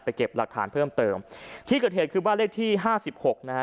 เก็บหลักฐานเพิ่มเติมที่เกิดเหตุคือบ้านเลขที่ห้าสิบหกนะฮะ